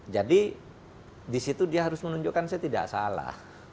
jadi disitu dia harus menunjukkan saya tidak salah